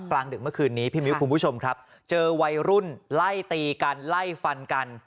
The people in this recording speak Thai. กลางดึกเมื่อคืนนี้พี่มิ้วคุณผู้ชมครับเจอวัยรุ่นไล่ตีกันไล่ฟันกัน